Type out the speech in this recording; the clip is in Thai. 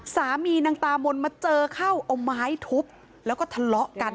นางตามนมาเจอเข้าเอาไม้ทุบแล้วก็ทะเลาะกัน